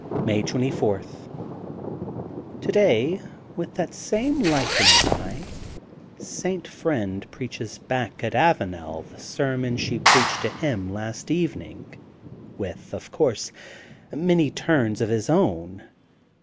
May 24: — Today with that same light in his eye, St, Friend preaches back at Avanel the sermon she preached to him last evening with, of course, many turns of his own.